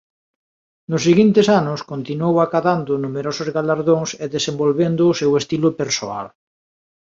Nos seguintes anos continuou acadando numerosos galardóns e desenvolvendo o seu estilo persoal.